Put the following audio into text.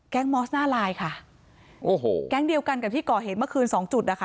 มอสหน้าไลน์ค่ะโอ้โหแก๊งเดียวกันกับที่ก่อเหตุเมื่อคืนสองจุดนะคะ